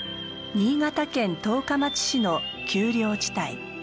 新潟県十日町市の丘陵地帯。